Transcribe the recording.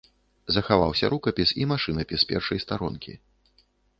Захаваліся рукапіс і машынапіс першай старонкі.